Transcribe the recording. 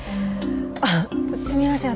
あっすみません